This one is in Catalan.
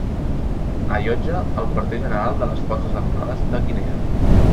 Allotja el quarter general de les Forces Armades de Guinea.